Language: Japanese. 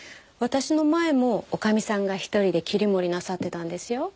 私の前もおかみさんが１人で切り盛りなさってたんですよ。